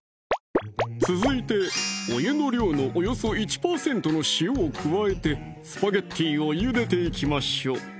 続いてお湯の量のおよそ１％の塩を加えてスパゲッティをゆでていきましょう